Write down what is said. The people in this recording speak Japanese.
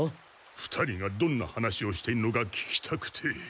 ２人がどんな話をしているのか聞きたくて。